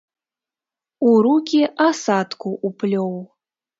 У рукі асадку ўплёў.